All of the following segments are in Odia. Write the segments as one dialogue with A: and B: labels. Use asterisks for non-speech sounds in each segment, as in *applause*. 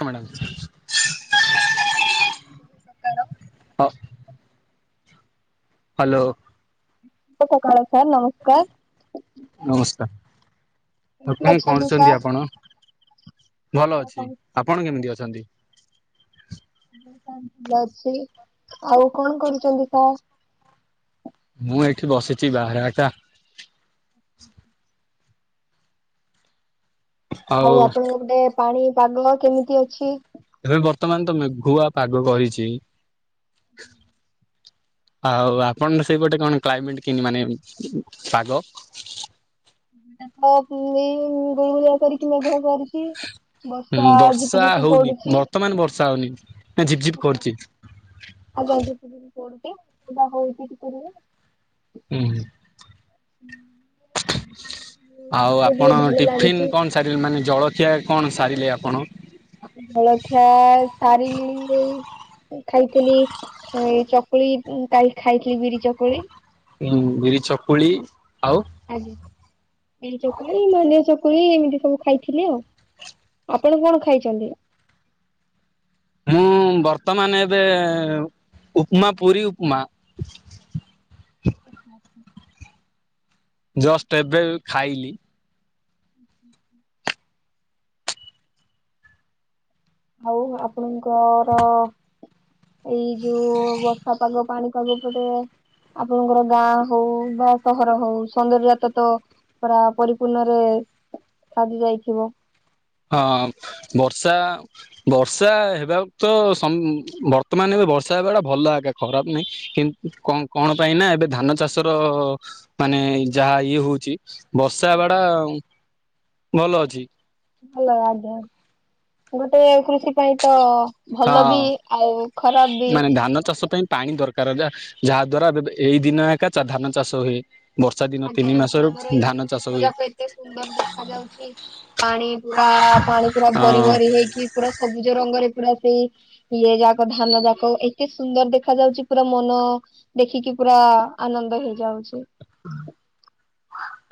A: ହଁ ମ୍ୟାଡ଼ାମ।
B: ନମସ୍କାର ଶୁଭ ସକାଳ।
A: ହ ହାଲୋ।
B: ଶୁଭ ସକାଳ ସାର୍ ନମସ୍କାର।
A: ନମସ୍କାର ଆଉ
B: କେମିତି
A: କଣ
B: ଅଛନ୍ତି
A: କରୁଚନ୍ତି
B: ସାର୍?
A: ଆପଣ? ଭଲ ଅଛି। ଆପଣ କେମିତି ଅଛନ୍ତି?
B: ଭଲ ଅଛି। ଆଉ କଣ କରୁଚନ୍ତି ସାର୍?
A: ମୁଁ ଏଇଠି ବସିଚି ବାହାରେ ଏକା।
B: *unintelligible* ଆଉ ଆପଣଙ୍କ ପଟେ ପାଣି ପାଗ କେମିତି ଅଛି?
A: ଏବେ ବର୍ତ୍ତମାନ ତ ମେଘୁଆ ପାଗ କରିଚି। ଆଉ ଆପଣଙ୍କ ସେଇପଟେ କଣ କ୍ଲାଇମେଟ କିନ୍ତି ମାନେ ପାଗ?
B: ପାଗ *unintelligible* ଗୁଳିଗୁଳିଆ କରିକି ମେଘୁଆ କରିଛି। ବର୍ଷା
A: ହୁଁ
B: ଝିପି
A: ବର୍ଷା
B: ଝିପି
A: ହଉନି
B: ପଡୁଛି।
A: ବର୍ତ୍ତମାନ ବର୍ଷା ହଉନି, ଝିପ୍ ଝିପ୍ କରୁଛି।
B: ଆଜ୍ଞା ଝିପ୍ ଝିପ୍ ହଉଚି, ଓଦା ହଉଚି ଟିକେ ଟିକେ।
A: ହୁଁ- ହୁଁ।
B: *unintelligible* ଟିକେ
A: ଆଉ ଆପଣ
B: ଟିକେ ଭଲ
A: ଟିଫିନ
B: ଲାଗୁଛି।
A: କଣ ସାରିଲେ ମାନେ ଜଳଖିଆ କଣ ସାରିଲେ ଆପଣ?
B: ଜଳଖିଆ ସାରିଲିଣି ଖାଇଥିଲି ଏ ଚକୁଳି କାଲି ଖାଇଥିଲି ବିରି ଚକୁଳି।
A: ହୁଁ ବିରି ଚକୁଳି ଆଉ?
B: ଆଜ୍ଞା ବିରି ଚକୁଳି, ମାଣ୍ଡିଆ ଚକୁଳି ଏମିତି ସବୁ ଖାଇଥିଲି ଆଉ। ଆପଣ କଣ ଖାଇଛନ୍ତି?
A: ମୁଁ ବର୍ତ୍ତମାନ ଏବେ ଉପମା ପୁରୀ ଉପମା।
B: *unintelligible*
A: ଜଷ୍ଟ ଏବେ ଖାଇଲି।
B: *unintelligible* ଆଉ ଆପଣଙ୍କର ଏଇ ଯୋଉ ବର୍ଷା ପାଗ ପାଣି ପାଗ ଉପରେ ଆପଣଙ୍କର ଗାଁ ହଉ ବା ସହର ହଉ ସୌନ୍ଦର୍ଯ୍ୟାତ ତ ପୁରା ପରିପୂର୍ଣ୍ଣ ରେ ସାଜି ଯାଇଥିବ।
A: ହଁ ବର୍ଷା ବର୍ଷା ହେବାକୁ ତ ସମ୍ ବର୍ତ୍ତମାନ ଏବେ ବର୍ଷା ହେବାଟା ଭଲ ଏକା ଖରାପ ନାହିଁ, କିନ୍ତୁ କ କଣ ପାଇଁ ନା ଏବେ ଧାନ ଚାଷର ମାନେ ଯାହା ଇଏ ହଉଛି ବର୍ଷା ହେବାଟା ଭଲ ଅଛି।
B: ଭଲ ଆଜ୍ଞା ଗୋଟେ କୃଷି ପାଇଁ ତ
A: ହଁ
B: ଭଲ ବି ଆଉ ଖରାପ ବି।
A: ମାନେ ଧାନ ଚାଷ ପାଇଁ ପାଣି ଦରକାର ଯା ଯାହା ଦ୍ଵାରା ଏଇ ଦିନ ଏକା ଧାନ ଚାଷ ହୁଏ। ବର୍ଷା ଦିନ
B: ଆଜ୍ଞା
A: ତିନି
B: ଆଜ୍ଞା
A: ମାସରୁ
B: ଆମର ଏଇ
A: ଧାନ
B: ଯୋଉ
A: ଚାଷ
B: କ୍ଷେତ
A: ହୁଏ।
B: ଯାକ ଏତେ ସୁନ୍ଦର ଦେଖା ଯାଉଛି, ପାଣି ପୁରା ପାଣି ପୁରା ଭରି
A: ହଁ
B: ଭରି ହେଇକି ପୁରା ସବୁଜ ରଙ୍ଗରେ ପୁରା ଯୋଉ ଇଏ ଯାକ ଧାନ ଯାକ ଏତେ ସୁନ୍ଦର ଦେଖା ଯାଉଛି ପୁରା ମନ ଦେଖିକି ପୁରା ଆନନ୍ଦ ହେଇଯାଉଛି।
A: *unintelligible*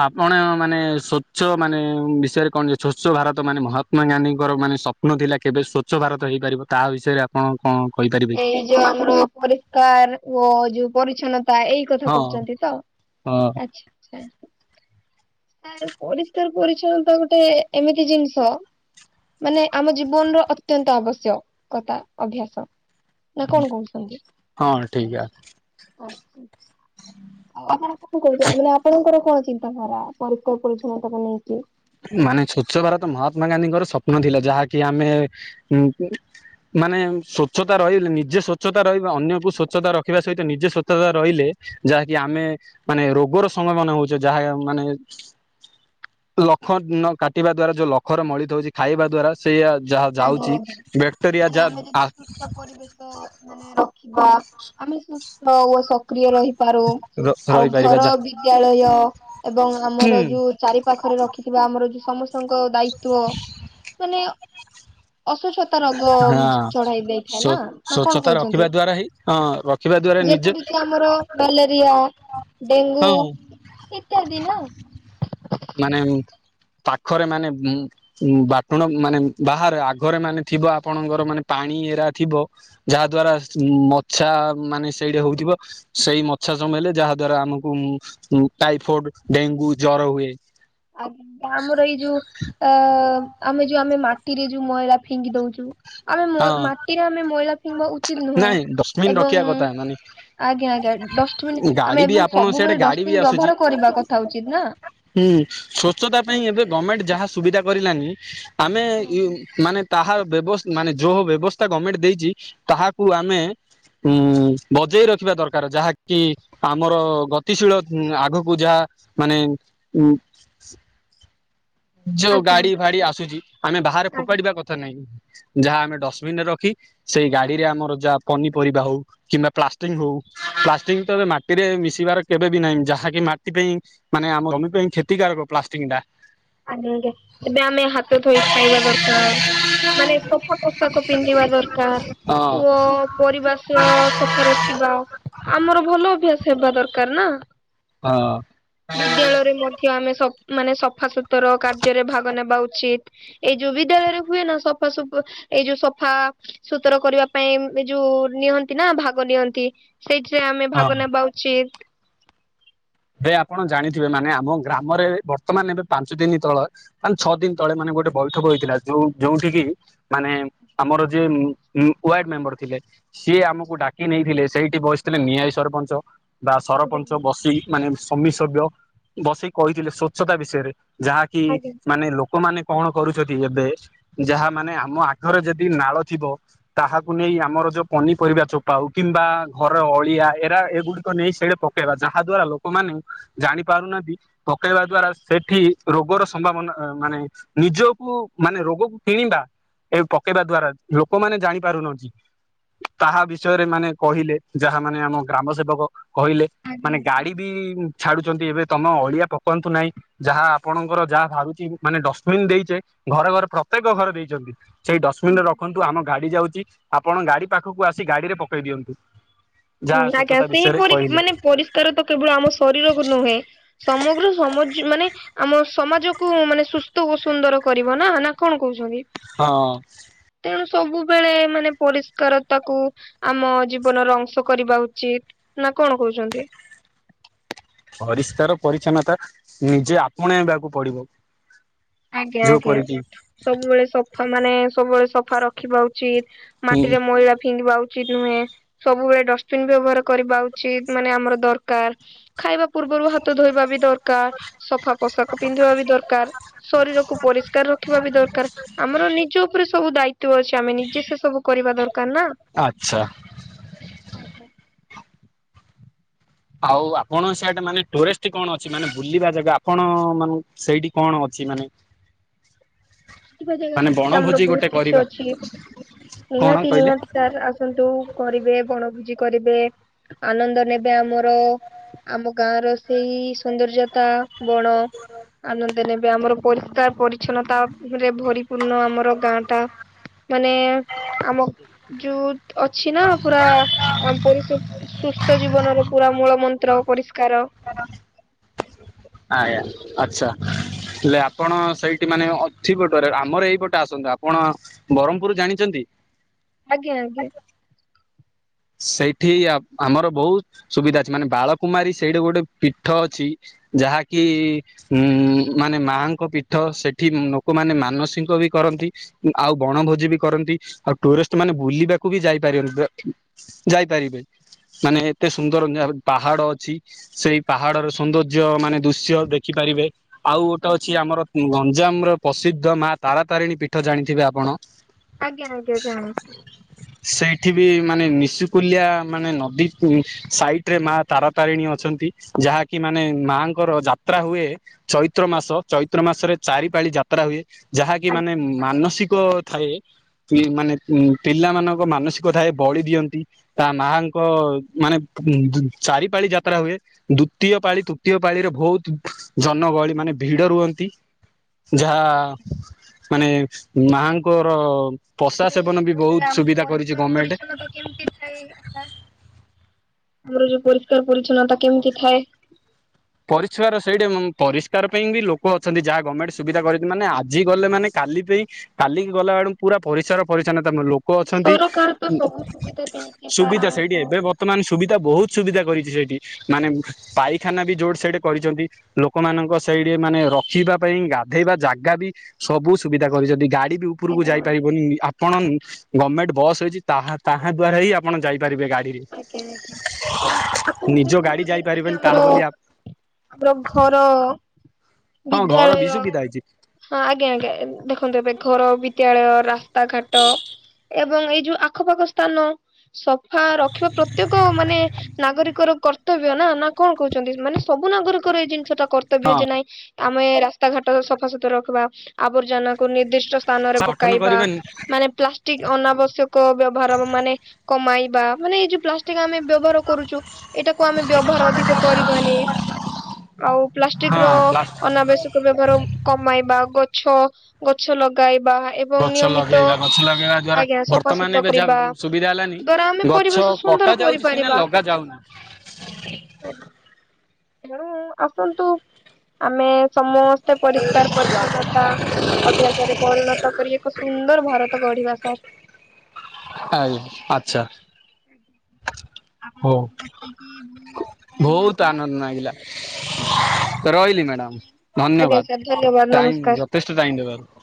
A: ଆପଣ ମାନେ ସ୍ୱଚ୍ଛ ମାନେ ବିଷୟରେ କଣ ଯେ ସ୍ଵଚ୍ଛ ଭାରତ ମାନେ ମହାତ୍ମା ଗାନ୍ଧୀଙ୍କର ମାନେ ସ୍ ସ୍ଵପ୍ନ ଥିଲା କେବେ ସ୍ଵଚ୍ଛ ଭାରତ ହେଇପାରିବ, ତାହା ବିଷୟରେ ଆପଣ କଣ କହିପାରିବେ କି?
B: ଏ ଯୋଉ ଆମର ପରିଷ୍କାର ଓ ଯୋଉ ପରିଚ୍ଛନ୍ନତା ଏଇ କଥା
A: ହଁ
B: କହୁଛନ୍ତି ତ
A: ହଁ।
B: ଆଚ୍ଛା ଆଚ୍ଛା। ଆ ପରିଷ୍କାର ପରିଚ୍ଛନ୍ନତା ଗୋଟେ ଏମିତି ଜିନିଷ ମାନେ ଆମ ଜୀବନର ଅତ୍ୟନ୍ତ ଆବଶ୍ୟକତା ଅଭ୍ୟାସ। ନା କଣ କହୁଛନ୍ତି?
A: ହଁ ହ
B: ଆପଣ କଣ କର ମାନେ, ଆପଣଙ୍କର କଣ ଚିନ୍ତାଧାରା ପରିଷ୍କାର ପରିଚଛନ୍ନତାକୁ ନେଇକି?
A: ମାନେ ସ୍ଵଚ୍ଛ ଭାରତ ମହାତ୍ମାଗାନ୍ଧୀଙ୍କର ସ୍ୱପ୍ନ ଥିଲା ଯାହାକି ଆମେ ଉ ମାନେ ସ୍ୱଚ୍ଛତା ରହିଲେ ନିଜେ ସ୍ୱଚ୍ଛତା ରହିବେ ଅନ୍ୟକୁ ସ୍ୱଚ୍ଛତା ରଖିବା ସହିତ, ନିଜେ ସ୍ୱଚ୍ଛତା ରହିଲେ ଯାହାକି ଆମେ ମାନେ ରୋଗର ସଂଭାବନ ହଉଛେ ଯାହା ମାନେ ଖ ନ କଟିବା ଦ୍ଵାରା ଯୋଉ ଲଖର ମଳିି ଧଉଛି। ଖାଇବା ଦ୍ଵାରା ସେୟା ଯା
B: ଆଜ୍ଞା
A: ଯାଉଛି
B: ଆଜ୍ଞା
A: ବ୍ୟାକ୍ଟେରିଆ
B: ମାନେ
A: ଯା
B: ଆମେ ଯଦି
A: ଆ
B: ସୁସ୍ଥ ପରିବେଶ ମାନେ ର ଖିବା ଆମେ ସୁସ୍ଥ ଓ ସକ୍ରିୟ ରହି ପାରୁ ଆଉ
A: ରହିପାରିବା
B: ଘର
A: ଯା
B: ବିଦ୍ୟାଳୟ ଏବଂ
A: ହୁଁ
B: ଆମର ଯୋଉ ଚାରି ପାଖରେ ରଖିଥିବା ଆମର ଯୋଉ ସମସ୍ତଙ୍କ ଦାୟିତ୍ବ ମାନେ ଅ ଅସୁଚ୍ଛତା ରୋଗ
A: ହଁ
B: ଚଢାଇ ଦେଇଥାଏ ନା ନା କଣ
A: ସ୍ଵଚ୍ଛତା ରଖିବା
B: କହୁଛନ୍ତି?
A: ଦ୍ଵାରା ହିଁ ହଁ ରଖିବା ଦ୍ଵାରା ନିଜେ
B: ଯେପରିକି ଆମର ମ୍ୟାଲେରିଆ ଡେଙ୍ଗୁ
A: ହଁ
B: ଇତ୍ୟାଦିି ନା?
A: ମାନେ ପାଖରେ ମାନେ ଉଁ ଉଁ ବାଟୁଣ ମାନେ ବାହାରେ ଆଗରେ ମାନେ ଥିବ ଆପଣଙ୍କର ମାନେ ପାଣି ଏରା ଥିବ ଯାହା ଦ୍ଵାରା ସ ମଛା ମାନେ ସେଇଟି ହଉଥିବ। ସେଇ ମଛା ସମୟଲେ ଯାହା ଦ୍ଵାରା ଆମକୁ ଟାଇଫଏଡ ଡେଙ୍ଗୁ ଜର ହୁଏ।
B: ଆ ଆମର ଏଇ ଯୋଉ ଅ ଆମେ ଯୋଉ ଆମେ ମାଟିରେ ଯୋଉ ମଇଳା ଫିଙ୍ଗି ଦଉଛୁ। ଆମେ ମ
A: ହଁ
B: ମାଟିରେ ଆମେ ମଇଳା ଫିଙ୍ଗିବା ଉଚିତ୍ ନୁହେଁ
A: ନାଇଁ ଡଷ୍ଟବିନ
B: ଏବଂ
A: ରଖିବା କଥା ମାନେ
B: ଆଜ୍ଞା ଆଜ୍ଞା ଡଷ୍ଟବିନ୍
A: ଗାଡି
B: ଆମେ
A: ବି
B: ଏବଂ
A: ଆପଣ ସେଆଡେ
B: ସବୁବେଳେ
A: ଗାଡି ବି
B: ଡଷ୍ଟବନ୍
A: ଆସୁଛି
B: ବ୍ୟବହାର କରିବା କଥା ଉଚିତ ନା?
A: ହୁଁ ସ୍ବଚ୍ଛତା ପାଇଁ
B: ହୁଁ
A: ଏବେ ଗମେଣ୍ଟ ଯାହା ସୁବିଧା କରିଲାନି ଆମେ ଇଏ
B: ହୁଁ।
A: ମାନେ ତାହା ବ୍ୟବସ୍ ମାନେ ଯୋଉ ବ୍ୟବସ୍ଥା ଗମେଣ୍ଟ ଦେଇଛି ତାହାକୁ ଆମେ ଉଁ ବଜେଇ ରଖିବା ଦରକାର ଯାହାକି ଆମର ଗତିଶୀଳ ଉଁ ଆଗକୁ ଯାହା ମାନେ ଉଁ ଯୋଉ
B: ଆଜ୍ଞା
A: ଗାଡି
B: ଆଜ୍ଞା
A: ଫାଡି ଆସୁଛି ଆମେ ବାହାରେ
B: ଆଜ୍ଞା
A: ଫୋପାଡିବା କଥା ନାହିଁ ଯାହା ଆମେ ଡଷ୍ଟବିନ ରେ ରଖି ସେଇ ଗାଡିରେ ଆମର ଯା ପନିପରିବା ହଉ କିମ୍ବା ପ୍ଲାଷ୍ଟିକ ହଉ ପ୍ଲାଷ୍ଟିକ ତ ଏବେ ମାଟିରେ ମିଶିବାର କେବେ ବି ନାହିଁ ଯାହାକି ମାଟି ପାଇଁ ମାନେ ଆମ ଜମି ପାଇଁ କ୍ଷତିକାରକ ପ୍ଲାଷ୍ଟିକ ଟା।
B: ଆଜ୍ଞା ଆଜ୍ଞା ଏବେ ଆମେ ହାତ ଥୋଇ ଖାଇବା ଦରକାର। ମାନେ ସଫା ପୋଷାକ ପିନ୍ଧିବା ଦରକାର।
A: ହଁ
B: ଓ ପରିବାଶ ସଫା ରଖିବା। ଆମର ଭଲ ଅଭ୍ୟାସ ହେବା ଦରକାର ନା?
A: ହଁ।
B: ବିଦ୍ୟାଳୟରେ ମଧ୍ୟ ଆମେ ସ ମାନେ ସଫା ସୁୁତୁର କାର୍ଯ୍ୟରେ ଭାଗ ନେବା ଉଚିତ୍। ଏଇ ଯୋଉ ବିଦ୍ୟାଳୟରେ ହୁଏ ନା ସଫାସୁଫ ଏଇ ଯୋଉ ସଫା ସୁତର କରିବା ପାଇଁ ଏ ଯୋଉ ନିଅନ୍ତି ନା ଭାଗ ନିଅନ୍ତି। ସେଇଥିରେ ଆମେ
A: ହଁ।
B: ଭାଗ ନେବା ଉଚିତ।
A: ଭାଇ ଆପଣ ଜାଣିଥିବେ ମାନେ ଆମ ଗ୍ରାମରେ ବର୍ତ୍ତମାନ ଏବେ ପାଞ୍ଚ ଦିନି ତଳେ ମାନେ ଛଅ ଦିନ ତଳେ ମାନେ ଗୋଟେ ବୈଠକ ହୋଇଥିଲା ଯୋଉ ଯୋଉଠିକି ମାନେ ଆମର ଯିଏ ଉଁ ଉଁ ୱାର୍ଡ ମେମ୍ବର ଥିଲେ। ସିଏ ଆମକୁ ଡାକି ନେଇଥିଲେ ସେଇଠି ବସିଥିଲେ ନିଆଇ ସରପଞ୍ଚ ବା ସରପଞ୍ଚ
B: ଆଜ୍ଞା
A: ବସି ମାନେ ସମୀ ସଭ୍ୟ ବସିକି କହିଥିଲେ ସ୍ଵଚ୍ଛତା ବିଷୟରେ। ଯାହାକି
B: ଆଜ୍ଞା
A: ମାନେ ଲୋକମାନେ କଣ କରୁଛନ୍ତି ଏବେ ଯାହା ମାନେ ଆମ ଆଘରେ ଯଦି ନାଳ ଥିବ ତାହାକୁ ନେଇ ଆମର ଯୋଉ ପନିପରିବା ଚୋପା ହଉ କିମ୍ବା ଘର ଅଳିଆ ଏରା ଏଗୁଡିକ ନେଇ ସେଇଡେ ପ ପକେଇବା ଯାହା ଦ୍ଵାରା ଲୋକମାନେ ଜାଣି ପାରୁନାନ୍ତି। ପକେଇବା ଦ୍ଵାରା ସେଠି ରୋଗର ସମ୍ଭାବନା ଅ ମାନେ ନିଜକୁ ମାନେ ରୋଗକୁ କିଣିବା ଏ ପକେଇବା ଦ୍ଵାରା ଲୋକମାନେ ଜାଣି ପାରୁନନ୍ତି। ତାହା ବିଷୟରେ ମାନେ କହିଲେ ଯାହା ମାନେ ଆମ ଗ୍ରାମ ସେବକ କହିଲେ
B: ଆଜ୍ଞା
A: ମାନେ ଗାଡି କି ଛାଡୁଚନ୍ତି ଏବେ ତମ ଅଳିଆ ପକାନ୍ତୁ ନାହିଁ। ଯାହା ଆପଣଙ୍କର ଯାହା ବାହାରୁଚି, ମାନେ ଡଷ୍ଟବିନ୍ ଦେଇଚେ, ଘରେ ଘରେ ପ୍ରତ୍ୟେକ ଘରେ ଦେଇଚନ୍ତି। ସେଇ ଡଷ୍ଟବିନ୍ ରେ
B: ଆଜ୍ଞା।
A: ରଖନ୍ତୁ, ଆମ ଗାଡି ଯାଉଚି, ଆପଣ ଗାଡି ପାଖକୁ ଆସି ଗାଡିରେ ପକେଇ ଦିଅନ୍ତୁ। ଯାହା
B: ହୁଁ ଆଜ୍ଞା,
A: ସ୍ୱଚ୍ଛତା ବିଷୟରେ
B: ସେହିପରି,
A: କହିଲେ
B: ମାନେ ପରିଷ୍କାର ତ କେବଳ ଆମ ଶରୀରକୁ ନୁହେଁ? ସମଗ୍ର ସମଜ୍ୟ - ମାନେ ଆମ ସମାଜକୁ ମାନେ ସୁସ୍ଥ ଓ ସୁନ୍ଦର କରିବ ନା, ନା କଣ କହୁଚନ୍ତି?
A: ହଁ।
B: ତେଣୁ ସବୁବେଳେ ମାନେ ପରିଷ୍କାରତା କୁ, ଆମ ଜୀବନର ଅଂଶ କରିବା ଉଚିତ୍। ନା କଣ କହୁଚନ୍ତି?
A: ପରିଷ୍କାର ପରିଚ୍ଛନ୍ନତା ନିଜେ ଆପଣେଇବାକୁ ପଡିବ।
B: ଆଜ୍ଞା
A: ଯୋଉପରି
B: ଆଜ୍ଞା,
A: କିି
B: ସବୁବେଳେ ସଫା ମାନେ ସବୁବେଳେ ସଫା ରଖିବା ଉଚିତ୍,
A: ହୁଁ
B: ମାଟିରେ ମଇଳା ଫିଙ୍ଗିବା ଉ ଉଚିତ୍ ନୁହେଁ, ସବୁବେଳେ ଡଷ୍ଟବିନ୍ ବ୍ୟବହାର କରିବା ଉଚିତ୍, ମାନେ ଆମର ଦରକାର୍। ଖାଇବା ପୂର୍ବରୁ ହାତ ଧୋଇବା ବି ଦରକାର୍, ସଫା ପୋଷାକ ପିନ୍ଧିବା ବି ଦରକାର୍। ଶରୀରକୁୁ ପରିଷ୍କାର ରଖିବା ବି ଦରକାର୍, ଆମର ନିଜ ଉପରେ ସବୁ ଦାୟିତ୍ଵ ଅଛି, ଆମେ ନିଜେ ସେ ସବୁ କରିବା ଦରକାର୍ ନା?
A: ଆଛା।
B: ଆଜ୍ଞା।
A: ଆଉ ଆପଣ ସେଟା ମାନେ ଟୁରିଷ୍ଟ୍ କଣ ଅଛି, ମାନେ ବୁଲିବା ଜାଗା, ଆପଣ ମାନେ ସେଇଠି କଣ ଅଛି? ମାନେ
B: *unintelligible* ଦେଖିବା ଜାଗା
A: ମାନେ
B: ତ ଆମର
A: ବଣଭୋଜି
B: ବହୁତ୍
A: ଗୋଟେ
B: କିଛି
A: କରିବା
B: ଅଛି,
A: କଣ
B: ନିହାତି
A: କହିଲେ
B: ନିହାତି ସାର୍ ଆସନ୍ତୁ। କରିବେ, ବଣଭୋଜି କରିବେ, ଆନନ୍ଦ ନେବେ ଆମର, ଆମ ଗାଁ ର ସେଇ ସୌନ୍ଦର୍ଯ୍ୟତା, ବଣ ଆନନ୍ଦ ନେବେ, ଆମର ପରିଷ୍କାର ପରିଚ୍ଛନ୍ନତା ରେ ଭରିପୂର୍ଣ୍ଣ ଆମର ଗାଁ ଟା, ମାନେ ଆମ ଯଉ ଅଛି ନା ପୁରା ଅ- ପରିଷ- ସୁସ୍ଥ ଜୀବନର ପୁରା ମୂଳ ମନ୍ତ୍ର ପରିଷ୍କାର।
A: ଆଜ୍ଞା, ଆଛା। ହେଲେ ଆପଣ ସେଇଠି ମାନେ ଅଛି ପଟରେ, ଆମର ଏଇପଟେ ଆସନ୍ତୁ, ଆପଣ ବରହ୍ମପୁର୍ ଜାଣିଚନ୍ତି?
B: ଆଜ୍ଞା ଆଜ୍ଞା।
A: ସେଇଠି ଆ-ଆମର ବହୁତ ସୁବିଧା ଅଛି, ମାନେ ବାଳକୁମାରୀ ସେଇଠି ଗୋଟେ ପୀଠ ଅଛି ଯାହାକି ଉଁ- ମାନେ ମାଙ୍କ ପୀଠ, ସେଠି ଲୋକମାନେ ମାନସିକ ବି କରନ୍ତି। ଆଉ ବଣଭୋଜି ବି କରନ୍ତି, ଆଉ ଟୁରିଷ୍ଟ୍ ମାନେ ବୁଲିବାକୁ ବି ଯାଇପାରିବେନି ବ ଯାଇପାରିବେ, ମାନେ ଏତେ ସୁନ୍ଦର୍ ଜା-ପାହାଡ ଅଛି। ସେଇ ପାହାଡର ସୌନ୍ଦର୍ଯ୍ୟ, ମାନେ ଦୃଶ୍ୟ ଦେଖିପାରିବେ। ଆଉ ଗୋଟେ
B: ଆଜ୍ଞା
A: ଅଛି, ଆମର ଗଞ୍ଜାମର ପ୍ରସିଦ୍ଧ ମା ତାରାତାରିଣୀ ପୀଠ, ଜାଣିଥିବେ ଆପଣ?
B: ଆଜ୍ଞା ଆଜ୍ଞା ଜାଣେ।
A: ସେଇଠି ବି ମାନେ ନିଶୁକୁଲ୍ୟା, ମାନେ ନଦୀ କୁ ସାଇଟ୍ ରେ ମା ତାରା ତାରିଣୀ ଅଛନ୍ତି, ଯାହାକି ମାନେ ମାଙ୍କର ଯାତ୍ରା ହୁଏ ଚୈତ୍ର ମାସ,
B: ଆଜ୍ଞା
A: ଚୈତ୍ର ମାସରେ ଚାରି ପାଳି ଯାତ୍ରା ହୁଏ, ଯାହାକି ମାନେ
B: ଆଜ୍ଞା
A: ମାନସିକ ଥାଏ ମାନେ ଉଁ -ପିଲାମାନଙ୍କ ମାନସିକ ଥାଏ ବଳି ଦିଅନ୍ତି। ତା ମାଙ୍କ ମାନେ -ଚାରିପାଳି ଯାତ୍ରା ହୁଏ। ଦୁତୀୟ ପାଳି, ତୃତୀୟ ପାଳିରେ, ବହୁତ୍ ଜନଗହଳି ମାନେ ଭିଡ ରୁହନ୍ତି। ଯାହା, ମାନେ ମାଆ ଙ୍କର ପସାଦ୍
B: ସେଇ
A: ସେବନ ବି
B: ଗୋଟେ
A: ବହୁତ୍
B: ଆମ
A: ସୁବିଧା କରିଚି
B: ପରିଷ୍କାର
A: ଗମେଣ୍ଟେ
B: ପରିଚ୍ଛନ୍ନତା କେମିତି ଆମର ଯଉ ପରିଷ୍କାର ପରିଚ୍ଛନ୍ନତା କେମିତି ଥାଏ?
A: ପରିଷ୍କାର ସେଇଟା ମ ମୁ ପରିଷ୍କାର ପାଇଁ ବି ଲୋକ ଅଛନ୍ତି ଯାହା ଗମେଣ୍ଟ୍ ସୁବିଧା କରିଚି ମାନେ ଆଜି ଗଲେ ମାନେ କାଲି ପେଇଁ କାଲିକି ଗଲା ବେଳକୁ ପୁରା ପରିସାର ପରିଚ୍ଛନ୍ନତା ମିଳୁ ଲୋ ଲୋକ ଅଛନ୍ତି
B: ସରକାର ତ
A: ଉ
B: ସବୁ ସୁବିଧା ଦେଇଛି ସାର୍
A: ସୁବିଧା ସେଇଠି
B: ଆମକୁ
A: ଏବେ ବ ବର୍ତ ମାନେ ସୁବିଧା ବହୁତ ସୁବିଧା କରିଛି ସେଇଠି ମାନେ ପାଇଖାନା ବି ଯୋଡ ସେଇଟି କରିଛନ୍ତି ଲୋକମାନଙ୍କ ସେଇଠି ମାନେ ରଖିବା ପାଇଁ ଗାଧେଇବା ଜାଗା ବି ସବୁ ସୁବିଧା କରିଛନ୍ତି ଗାଡି ବି। ଉପକୁ
B: ଆଜ୍ଞା
A: ଯାଇପାରିବନି ଆପଣ ଗମେଣ୍ଟ ବସ୍ ହେଇଛି ତାହା ତାହା ଦ୍ୱାରା ହିଁ ଆପଣ ଯାଇପାରିବେ ଗାଡି
B: ଆଜ୍ଞା ଆପଣ
A: ନିଜ ଗାଡି
B: ଦେଖନ୍ତୁ ଯେମିତି
A: ଯାଇପାରିବେନି ତାହା ବୋଲି
B: ଆମର ଘର
A: ହଁ ଘର ବି
B: ବିଦ୍ୟାଳୟ।
A: ସୁବିଧା ହେଇଛି
B: ହଁ ଆଜ୍ଞା ଆଜ୍ଞା ଦେଖନ୍ତୁ ଏବେ ଘର ବିଦ୍ୟାଳୟ ରାସ୍ତାଘାଟ। ଏବଂ ଏଇ ଯୋଉ ଆଖପାଖ ସ୍ଥାନ ସଫା ରଖିବା ପ୍ରତ୍ୟେକ ମାନେ ନାଗରିକର କର୍ତ୍ତବ୍ୟ ନା ନା କଣ କହୁଛନ୍ତି ମାନେ ସବୁ ନାଗରିକର ଏଇ ଜିନିଷ ଟା କର୍ତ୍ତବ୍ୟ
A: ହଁ
B: ଯେ ନାଇଁ ଆମେ ରାସ୍ତାଘାଟ ସଫାସତୁରା ରଖିବା ଆବର୍ଜନା କ ନିର୍ଦ୍ଦି ସ୍ଥାନରେ
A: ଗଠନ
B: ପକାଇବା।
A: କରିବାନି
B: ମାନେ ପ୍ଲାଷ୍ଟିକ ଅନାବଶ୍ୟକ ବ୍ୟବହାର ମାନେ କମାଇବା। ମାନେ ଏଇ ଯୋଉ ପ୍ଲାଷ୍ଟିକ ଆମେ ବ୍ୟବହାର କରୁଛୁ। ଏଇଟାକୁ ଆମେ ବ୍ୟବହାର ଅଧିକ କରିବାନି ଆଉ ପ୍ଲାଷ୍ଟିକ
A: ହଁ
B: ର
A: ପ୍ଲାଷ୍ଟ
B: ଅନାବଶ୍ୟକ ବ୍ୟବହାର କମେଇବା ଗଛ ଗଛ ଲଗାଇବା ଏ
A: ଗଛ ଲଗେଇବା ଗଛ ଲଗେଇବା ଦ୍ଵାରା ବର୍ତ୍ତମାନ
B: ସଫାସୁତୁରା
A: ଏବେ
B: କରିବା
A: ଯାହା ସୁବିଧା ହେଲାନି
B: ଦ୍ଵାରା ଆମେ
A: ଗ
B: ପରିବେଶ
A: ଛ
B: ସୁନ୍ଦର
A: କଟା ଯାଉଛି ସିନା
B: କରିପାରିବା।
A: ଲଗା ଯାଉନି।
B: ହଁ *unintelligible* ଆସନ୍ତୁ। ଆମେ ସମସ୍ତେ ପରିଷ୍କାର ପରିଚଛନ୍ନତା ଅଭ୍ୟାସରେ ପରିଣତ କରିବାକୁ ସୁନ୍ଦର ଭାରତ ଗଢିବା ସାର୍।
A: ଆ ଆଚ୍ଛା।
B: ଆପଣ
A: ହଉ
B: କଥା କି ବହୁତ ଖୁସି ଲାଗିଲା
A: ବହୁତ
B: ସାର୍।
A: ଆନନ୍ଦ ଲାଗିଲା ରହିଲି ମ୍ୟାଡ଼ାମ
B: ଆଜ୍ଞା ସାର୍
A: ଧନ୍ୟବାଦ ଟାଇମ
B: ନମସ୍କାର।
A: ଯଥେଷ୍ଟ ଟାଇମ ଦେବାରୁ।